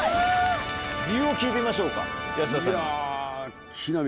理由を聞いてみましょうか安田さんに。